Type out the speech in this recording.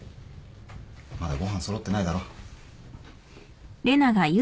まだご飯揃ってないだろ？